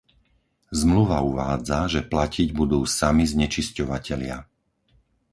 Zmluva uvádza, že platiť budú sami znečisťovatelia.